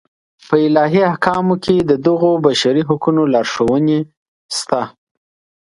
په الهي احکامو کې د دغو بشري حقونو لارښوونې شته.